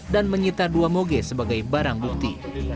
dan menyita dua moge sebagai barang bukti